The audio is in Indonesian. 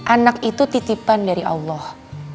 anak itu titipan dari allah